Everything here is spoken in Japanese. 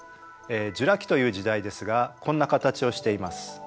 ジュラ紀という時代ですがこんな形をしています。